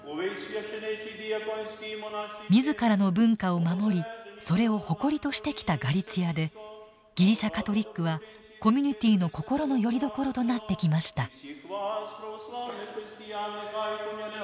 自らの文化を守りそれを誇りとしてきたガリツィアでギリシャ・カトリックはコミュニティーの心のよりどころとなってきました。